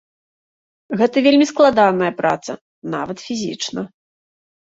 Гэта вельмі складаная праца, нават фізічна.